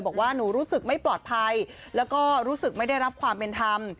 บอกว่าหนูรู้สึกไม่ปลอดภัยแล้วก็รู้สึกไม่ได้รับความเป็นธรรม